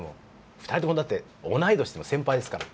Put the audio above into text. ２人とも同い年でも先輩ですから。